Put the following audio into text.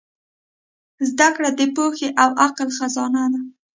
زدهکړه د پوهې او عقل خزانه ده.